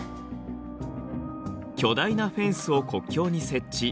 巨大なフェンスを国境に設置。